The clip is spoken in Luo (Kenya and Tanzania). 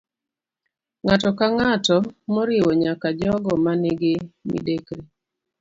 Ng'ato ka ng'ato, moriwo nyaka jogo ma nigi midekre